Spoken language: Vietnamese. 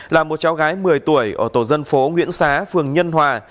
là một cháu gái một mươi tuổi ở tổ dân phố nguyễn xá phường nhân hòa